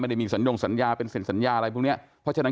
ได้มีสัญญงสัญญาเป็นเซ็นสัญญาอะไรพวกเนี้ยเพราะฉะนั้น